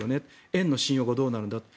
円の信用がどうなるんだと。